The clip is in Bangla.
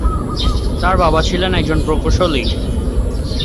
তার বাবা ছিলেন একজন প্রকৌশলী।